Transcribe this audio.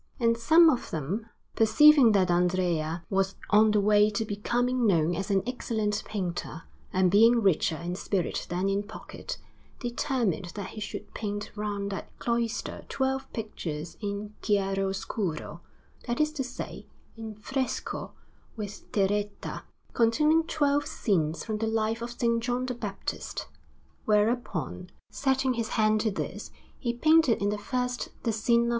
And some of them, perceiving that Andrea was on the way to becoming known as an excellent painter, and being richer in spirit than in pocket, determined that he should paint round that cloister twelve pictures in chiaroscuro that is to say, in fresco with terretta containing twelve scenes from the life of S. John the Baptist. Whereupon, setting his hand to this, he painted in the first the scene of S.